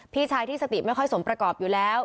พี่ชายที่สติไม่ค่อยสมประกอบอยู่แล้ว